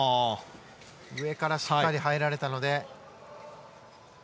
上からしっかり入られたので。